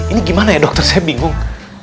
ini gimana ya dokter saya bingung